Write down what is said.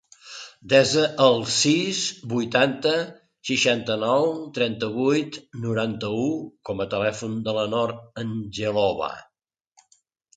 Desa el sis, vuitanta, seixanta-nou, trenta-vuit, noranta-u com a telèfon de la Nor Angelova.